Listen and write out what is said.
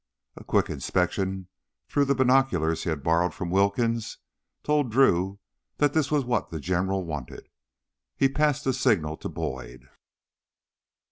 A quick inspection through the binoculars he had borrowed from Wilkins told Drew that this was what the General wanted. He passed the signal to Boyd.